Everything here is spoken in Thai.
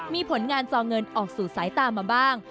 มีผลงานจอเงินออกสู่สายตามาบ้าง